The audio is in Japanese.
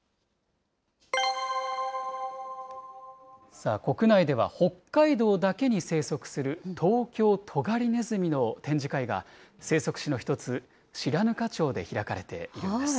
さあ、国内では北海道だけに生息する、トウキョウトガリネズミの展示会が、生息地の一つ、白糠町で開かれているんです。